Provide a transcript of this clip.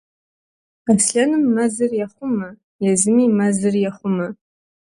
Аслъэным мэзыр ехъумэ, езыми мэзыр ехъумэ.